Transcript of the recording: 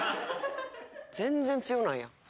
全然強ないやん。